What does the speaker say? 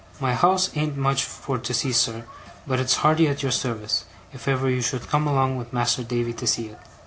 My house ain't much for to see, sir, but it's hearty at your service if ever you should come along with Mas'r Davy to see it.